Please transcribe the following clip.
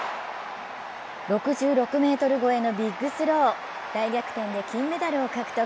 ６６ｍ超えのビッグスロー大逆転で金メダルを獲得。